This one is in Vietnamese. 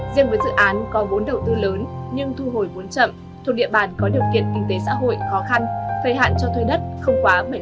riêng với dự án có vốn đầu tư lớn nhưng thu hồi vốn chậm thuộc địa bàn có điều kiện kinh tế xã hội khó khăn thời hạn cho thuê đất không quá bảy mươi năm